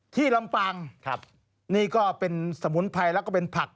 ลำปางครับนี่ก็เป็นสมุนไพรแล้วก็เป็นผัก